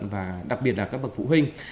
và đặc biệt là các bậc phụ huynh